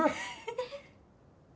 フフフ。